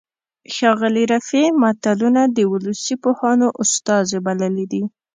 ښاغلي رفیع متلونه د ولسي پوهانو استازي بللي دي